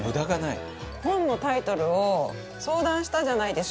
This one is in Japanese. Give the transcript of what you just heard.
本のタイトルを相談したじゃないですか前に。